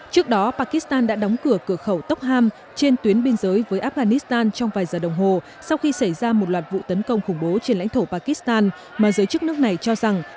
trước đó pakistan đã đóng cửa cửa khẩu tokham trên tuyến biên giới với afghanistan trong vài giờ đồng hồ sau khi xảy ra một loạt vụ tấn công khủng bố trên lãnh thổ pakistan